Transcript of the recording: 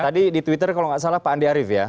tadi di twitter kalau nggak salah pak andi arief ya